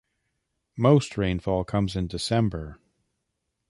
The most rainfall comes in December.